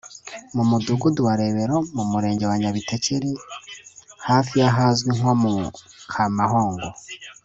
mu mudugudu wa Rebero mu murenge wa Nyabitekeri hafi y’ahazwi nko mu Kamahongo